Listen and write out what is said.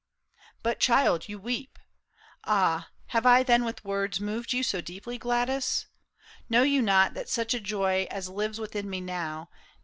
But child, you weep ! Ah, have I then with words Moved you so deeply, Gladys ? Know you not That such a joy as lives within me now.